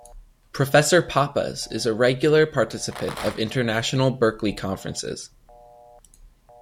Professor Pappas is a regular participant of International Berkeley Conferences.